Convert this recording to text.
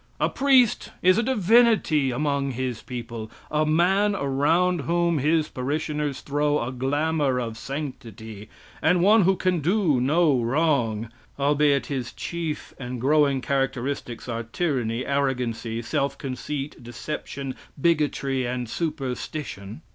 A priest is a divinity among his people a man around whom his parishioners throw a glamour of sanctity, and one who can do no wrong; albeit, his chief and growing characteristics are tyranny, arrogancy, self conceit, deception, bigotry and superstition!